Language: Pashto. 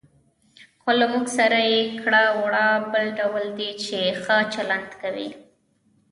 خو له موږ سره یې کړه وړه بل ډول دي، چې ښه چلند کوي.